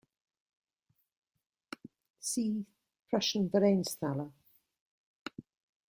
See Prussian Vereinsthaler.